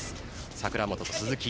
櫻本・鈴木。